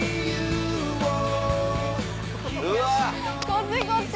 こっちこっち！